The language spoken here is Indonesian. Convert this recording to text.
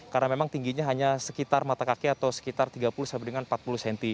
karena memang tingginya hanya sekitar mata kaki atau sekitar tiga puluh sampai dengan empat puluh cm